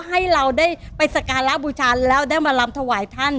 ให้เราได้ไปสการะบูชาแล้วได้มารำถวายท่าน